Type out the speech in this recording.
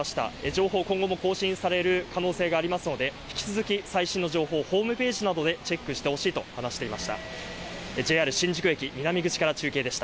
情報、今後も更新される可能性がありますので、引き続き最新の情報をホームページなどでチェックしてほしいと話していました。